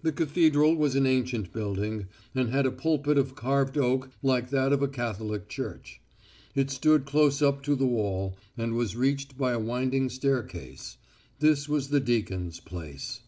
The cathedral was an ancient building, and had a pulpit of carved oak like that of a Catholic church. It stood close up to the wall, and was reached by a winding staircase. This was the deacon's place.